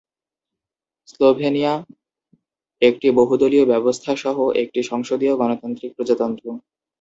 Slovenia একটি বহু-দলীয় ব্যবস্থা সহ একটি সংসদীয় গণতান্ত্রিক প্রজাতন্ত্র।